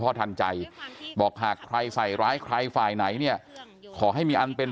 ทันใจบอกหากใครใส่ร้ายใครฝ่ายไหนเนี่ยขอให้มีอันเป็น